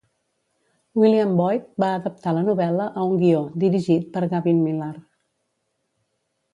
William Boyd va adaptar la novel·la a un guió, dirigit per Gavin Millar.